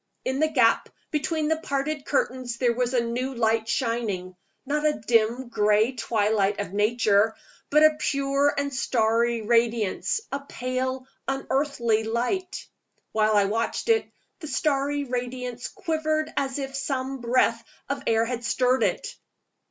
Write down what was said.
In the gap between the parted curtains there was a new light shining; not the dim gray twilight of Nature, but a pure and starry radiance, a pale, unearthly light. While I watched it, the starry radiance quivered as if some breath of air had stirred it.